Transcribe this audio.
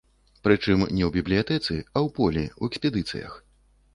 Прычым не ў бібліятэцы, а ў полі, ў экспедыцыях.